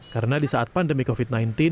karena di saat pandemi covid sembilan belas